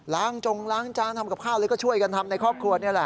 ล้างจงล้างจานทำกับข้าวแล้วก็ช่วยกันทำในครอบครัว